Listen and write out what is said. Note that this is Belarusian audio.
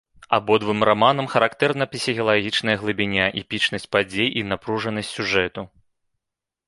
Абодвум раманам характэрна псіхалагічная глыбіня, эпічнасць падзей, і напружанасць сюжэту.